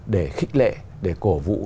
để khích lệ để cổ vũ